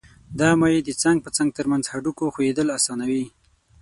دا مایع د څنګ په څنګ تر منځ هډوکو ښویېدل آسانوي.